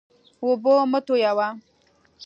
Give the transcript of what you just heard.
اوبه مه تویوه.